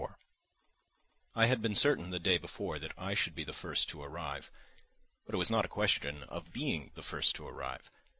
IV I had been certain the day before that I should be the first to arrive. But it was not a question of being the first to arrive.